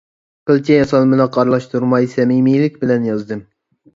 قىلچە ياسالمىلىق ئارىلاشتۇرماي سەمىمىيلىك بىلەن يازدىم.